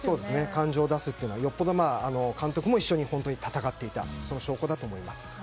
感情を出すのはよっぽど監督も一緒に本当に戦っていた証拠だと思います。